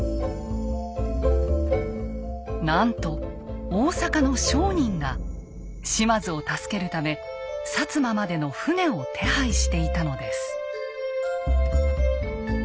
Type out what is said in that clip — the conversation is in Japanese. なんと大坂の商人が島津を助けるため摩までの船を手配していたのです。